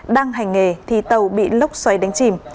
đang hành nghề thì tàu bị lốc xoáy đánh chìm